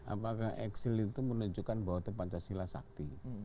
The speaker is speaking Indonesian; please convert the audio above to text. apakah eksil itu menunjukkan bahwa itu pancasila sakti